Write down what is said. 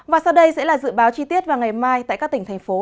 và sau đây sẽ là dự báo chi tiết vào ngày mai tại các tỉnh thành phố